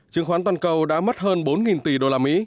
chứng khoán toàn cầu đã mất hơn bốn tỷ usd